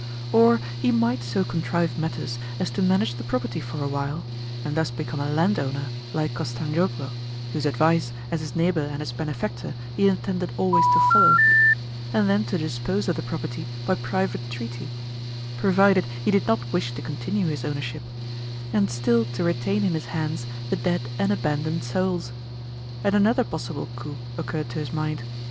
Or he might so contrive matters as to manage the property for a while (and thus become a landowner like Kostanzhoglo, whose advice, as his neighbour and his benefactor, he intended always to follow), and then to dispose of the property by private treaty (provided he did not wish to continue his ownership), and still to retain in his hands the dead and abandoned souls. And another possible coup occurred to his mind.